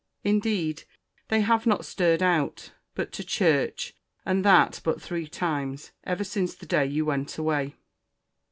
Indeed, they have not stirred out, but to church (and that but three times) ever since the day you went away.